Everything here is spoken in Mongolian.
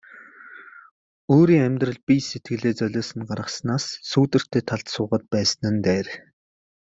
Өөрийн амьдрал бие сэтгэлээ золиосонд гаргаснаас сүүдэртэй талд суугаад байсан нь дээр.